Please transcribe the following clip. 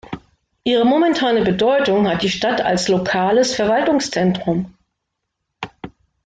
Ihre momentane Bedeutung hat die Stadt als lokales Verwaltungszentrum.